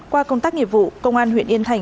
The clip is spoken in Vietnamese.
qua công tác nghiệp vụ công an huyện yên thành